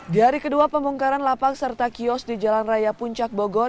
di hari kedua pembongkaran lapak serta kios di jalan raya puncak bogor